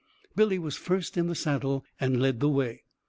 Billy was first in the saddle and led the way.